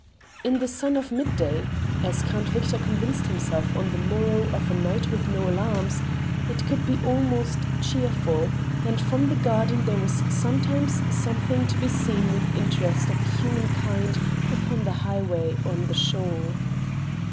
In the sun of midday, as Count Victor convinced himself on the morrow of a night with no alarms, it could be almost cheerful, and from the garden there was sometimes something to be seen with interest of a human kind upon the highway on the shore.